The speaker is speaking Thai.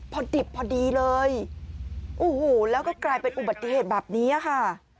พอดิบพอดีเลยโอ้โหแล้วก็กลายเป็นอุบัติเหตุแบบนี้ค่ะ